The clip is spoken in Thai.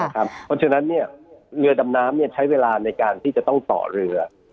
เพราะฉะนั้นเรือดำน้ำใช้เวลาในการที่จะต้องต่อเรือ